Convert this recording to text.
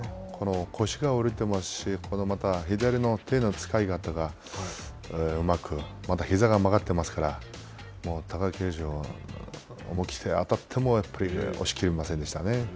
腰が折れてますし、また左の手の使い方がうまくまた膝が曲がっていますから貴景勝、思い切って当たっても押し切れませんでしたね。